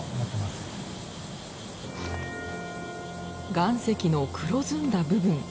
岩石の黒ずんだ部分。